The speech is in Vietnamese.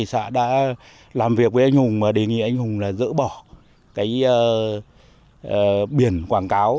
thế nên là khi xã đã làm việc với anh hùng mà đề nghị anh hùng là dỡ bỏ cái biển quảng cáo